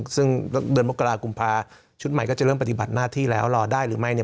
ซึ่งเดือนมกรากุมภาชุดใหม่ก็จะเริ่มปฏิบัติหน้าที่แล้วรอได้หรือไม่